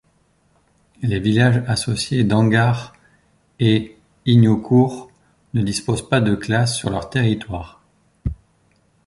Les villages associés d'Hangard et Ignaucourt ne disposent pas de classe sur leur territoire.